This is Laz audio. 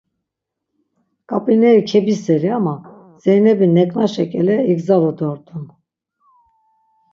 Ǩap̌ineri kebiseli ama Zeynebi neǩnaşe ǩele igzalu dort̆un.